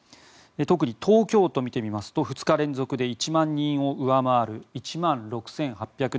特に東京都を見てみますと２日連続で１万人を上回る１万６８７８人。